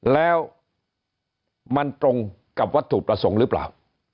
แล้วมันตรงกับวัตถุประสงค์หรือเปล่า